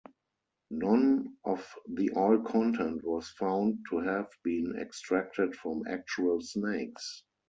None of the oil content was found to have been extracted from actual snakes.